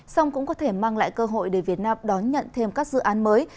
xong cũng có thể mang lại cơ hội để việt nam đón nhận thêm các dự án mới